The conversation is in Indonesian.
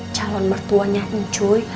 calon mertuanya incuy